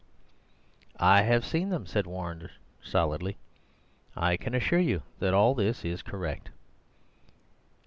"I have seen them," said Warner solidly, "I can assure you that all this is correct."